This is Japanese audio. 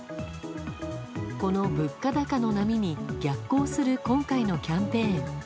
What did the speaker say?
この物価高の波に逆行する今回のキャンペーン。